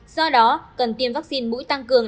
do đó cần tiêm vaccine mũi tăng cường